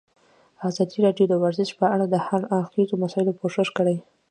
ازادي راډیو د ورزش په اړه د هر اړخیزو مسایلو پوښښ کړی.